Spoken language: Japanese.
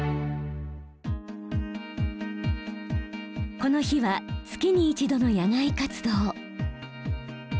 この日は月に一度の野外活動。